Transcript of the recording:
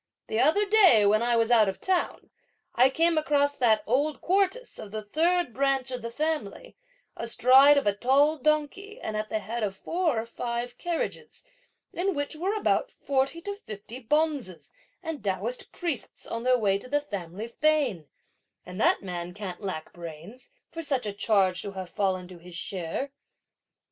The other day, when I was out of town, I came across that old Quartus of the third branch of the family, astride of a tall donkey, at the head of four or five carriages, in which were about forty to fifty bonzes and Taoist priests on their way to the family fane, and that man can't lack brains, for such a charge to have fallen to his share!"